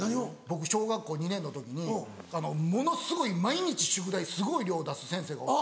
僕小学校２年の時にものすごい毎日宿題すごい量出す先生がおって。